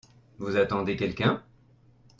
Vous attendez quelqu'un ?